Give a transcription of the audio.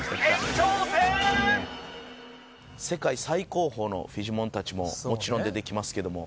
世界最高峰のフィジモンたちももちろん出てきますけども。